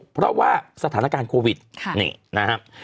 เพราะว่าสถานการณ์โควิดนี่นะครับ